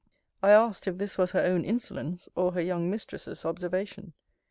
I asked if this was her own insolence, or her young mistress's observation?